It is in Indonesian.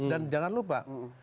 dan jangan lupa